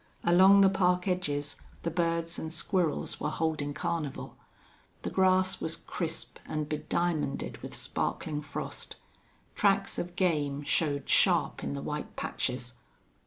Along the park edges the birds and squirrels were holding carnival. The grass was crisp and bediamonded with sparkling frost. Tracks of game showed sharp in the white patches.